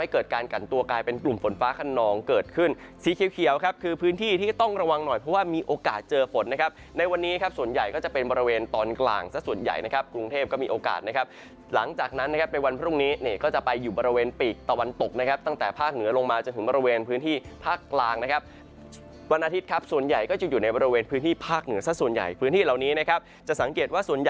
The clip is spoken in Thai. เกิดขึ้นสีเขียวครับคือพื้นที่ที่ต้องระวังหน่อยเพราะว่ามีโอกาสเจอฝนนะครับในวันนี้ครับส่วนใหญ่ก็จะเป็นบริเวณตอนกลางซะส่วนใหญ่นะครับกรุงเทพก็มีโอกาสนะครับหลังจากนั้นนะครับไปวันพรุ่งนี้เนี่ยก็จะไปอยู่บริเวณปีกตะวันตกนะครับตั้งแต่ภาคเหนือลงมาจะถึงบริเวณพื้นที่ภาคกลางนะคร